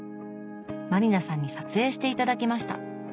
満里奈さんに撮影して頂きました。